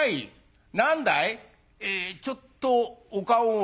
「えちょっとお顔を」。